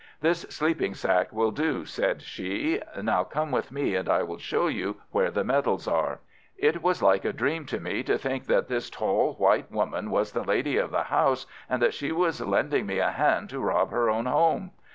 "This sleeping sack will do," said she. "Now come with me and I will show you where the medals are." It was like a dream to me to think that this tall, white woman was the lady of the house, and that she was lending me a hand to rob her own home.